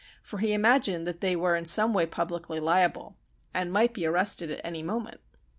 For he imagined that they were in some way publicly liable, and might be arrested at any moment.